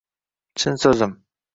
Chin so`zim